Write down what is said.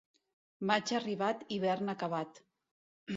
Maig arribat, hivern acabat.